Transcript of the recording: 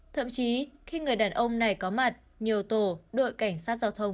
thậm chí khi người đàn ông này có mặt nhiều tổ đội cảnh sát giao thông